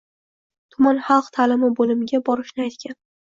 Tuman xalq ta’limi bo‘limiga borishni aytgan.